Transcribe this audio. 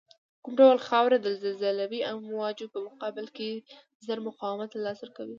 کوم ډول خاوره د زلزلوي امواجو په مقابل کې زر مقاومت له لاسه ورکوی